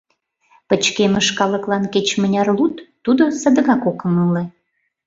Пычкемыш калыклан кеч-мыняр луд, тудо садыгак ок ыҥыле...